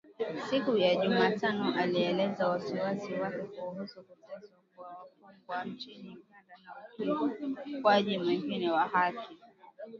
siku ya Jumatano alielezea wasiwasi wake kuhusu kuteswa kwa wafungwa nchini Uganda na ukiukwaji mwingine wa haki